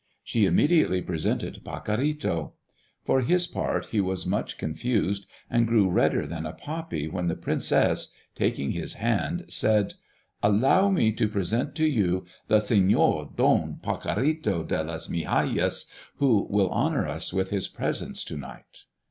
She immediately presented Pacorrito. For his part he was much confused and grew redder than a poppy when the princess, taking his hand, said, "Allow me to present to you the Señor Don Pacorrito de las Migajas, who will honor us with his presence to night."